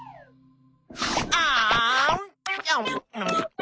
あん。